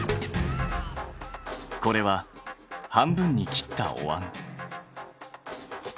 これは半分に切ったおわん。